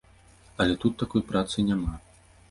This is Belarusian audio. Але тут такой працы няма.